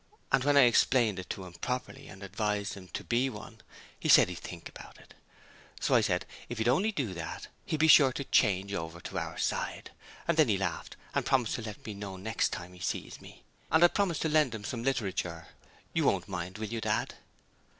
And when I explained it to him properly and advised him to be one, he said he'd think about it. So I said if he'd only do that he'd be sure to change over to our side; and then he laughed and promised to let me know next time he sees me, and I promised to lend him some literature. You won't mind, will you, Dad?'